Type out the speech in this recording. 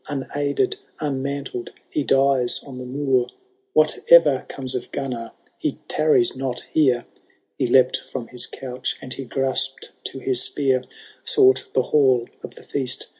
Unaided, unmantled, he dies on the moor ! Whatever comes of Gunnar, he tarries not here." He leapt from his couch and he graspM to his spear ; Sought the hall of the feast.